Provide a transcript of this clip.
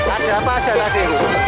aksi apa asal tadi